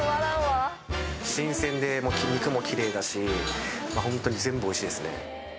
新鮮で肉も奇麗だしホントに全部おいしいですね。